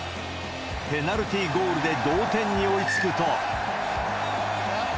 ペナルティゴールで同点に追いつくと。